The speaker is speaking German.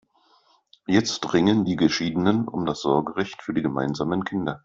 Jetzt ringen die Geschiedenen um das Sorgerecht für die gemeinsamen Kinder.